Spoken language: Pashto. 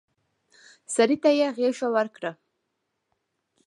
سړي ته يې غېږ ورکړه.